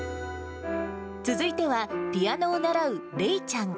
続いては、ピアノを習うれいちゃん。